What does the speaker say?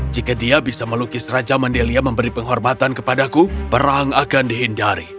jika dia bisa melukis raja mandelia memberi penghormatan kepadaku perang akan dihindari